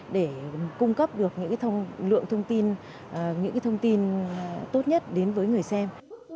để cung cấp được những lượng thông tin những thông tin tốt nhất đến với người xem